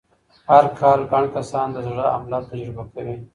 هرکال ګڼ کسان د زړه حمله تجربه کوي.